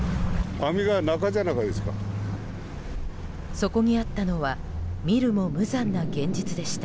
そこにあったのは見るも無残な現実でした。